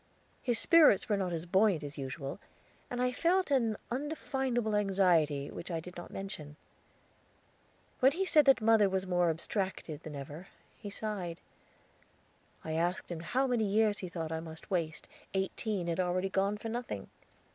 His spirits were not as buoyant as usual, and I felt an undefinable anxiety which I did not mention. When he said that mother was more abstracted than ever, he sighed. I asked him how many years he thought I must waste; eighteen had already gone for nothing.